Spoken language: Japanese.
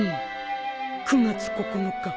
９月９日